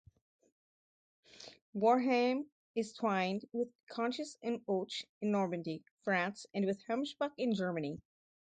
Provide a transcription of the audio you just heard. Wareham is twinned with Conches-en-Ouche in Normandy, France and with Hemsbach in Germany.